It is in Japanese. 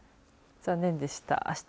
残念でした。